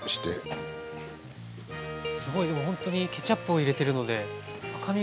すごいでもほんとにケチャップを入れてるので赤みが。